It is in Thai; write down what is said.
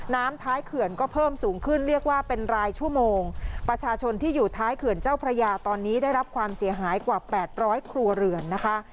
น้ำท้ายเขื่อนก็เพิ่มสูงขึ้นเรียกว่าเป็นรายชั่วโมงประชาชนที่อยู่ท้ายเขื่อนเจ้าพระยาตอนนี้ได้รับความเสียหายกว่าแปดร้อยครัวเรือนนะคะ